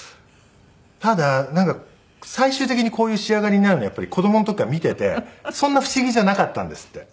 ただなんか最終的にこういう仕上がりになるのはやっぱり子供の時から見ていてそんな不思議じゃなかったんですって。